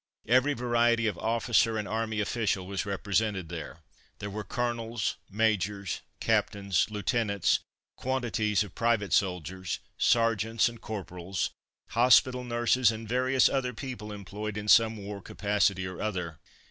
Every variety of officer and army official was represented there. There were colonels, majors, captains, lieutenants, quantities of private soldiers, sergeants and corporals, hospital nurses and various other people employed in some war capacity or other.